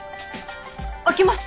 空けます。